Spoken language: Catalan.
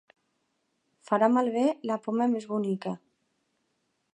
Farà malbé la poma més bonica.